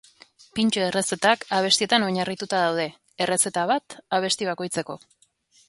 Pintxo errezetak abestietan oinarrituta daude, errezeta bat abesti bakoitzeko.